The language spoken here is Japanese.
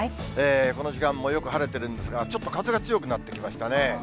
この時間もよく晴れてるんですが、ちょっと風が強くなってきましたね。